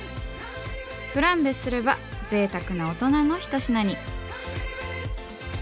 フランベすればぜいたくなオトナの一品に。